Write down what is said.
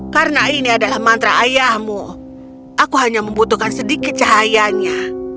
karena ini adalah mantra ayahmu aku hanya membutuhkan sedikit cahayanya